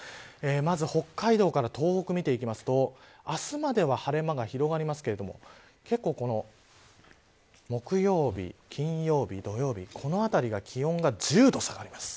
まず北海道から東北を見ていくと明日までは晴れ間が広がりますけれども結構この木曜日、金曜日、土曜日このあたりが気温が１０度下がります。